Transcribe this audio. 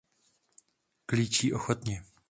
Klíčí ochotně.